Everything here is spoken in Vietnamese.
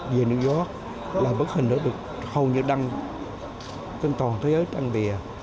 về new york là bức hình đó được hầu như đăng trên toàn thế giới trang bìa